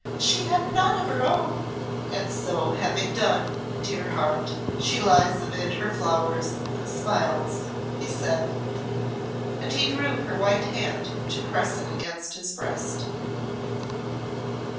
She had none of her own." "And so having done, dear heart, she lies amid her flowers, and smiles," he said, and he drew her white hand to press it against his breast.